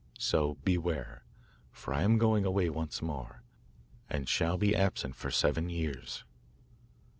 So, beware; for I am going away once more, and shall be absent for seven years.